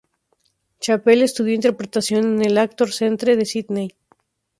Chappell estudió interpretación en el "Actors Centre" de Sydney.